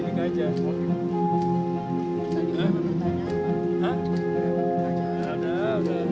saya nggak kenal sama kalian